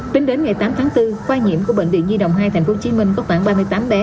tính đến ngày tám tháng bốn khoa nhiễm của bệnh viện nhi đồng hai tp hcm có khoảng ba mươi tám bé